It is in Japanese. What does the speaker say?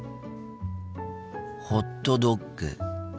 ホットドッグ。